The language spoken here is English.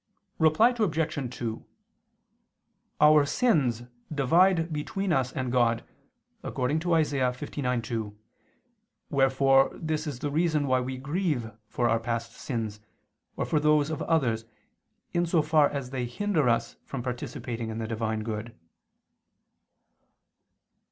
Reply Obj. 2: Our sins divide between us and God, according to Isa. 59:2; wherefore this is the reason why we grieve for our past sins, or for those of others, in so far as they hinder us from participating in the Divine good.